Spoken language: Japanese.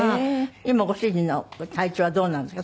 今ご主人の体調はどうなんですか？